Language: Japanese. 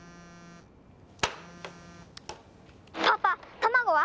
パパ卵は？